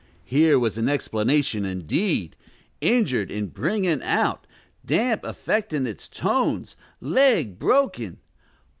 Here was an explanation indeed: injured in bringing out; damp affecting its tones; leg broken.